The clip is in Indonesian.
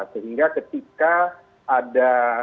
sehingga ketika ada